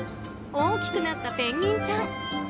大きくなったペンギンちゃん。